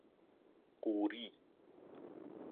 قوری